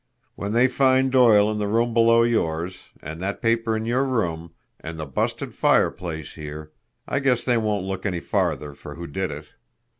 When they find Doyle in the room below yours, and that paper in your room, and the busted fireplace here I guess they won't look any farther for who did it.